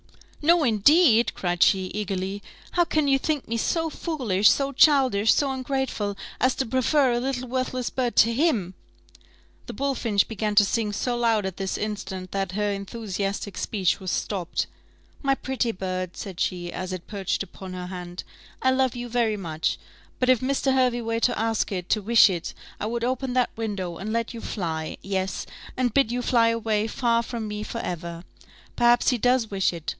"No, indeed!" cried she, eagerly: "how can you think me so foolish, so childish, so ungrateful, as to prefer a little worthless bird to him " (the bullfinch began to sing so loud at this instant, that her enthusiastic speech was stopped). "My pretty bird," said she, as it perched upon her hand, "I love you very much, but if Mr. Hervey were to ask it, to wish it, I would open that window, and let you fly; yes, and bid you fly away far from me for ever. Perhaps he does wish it?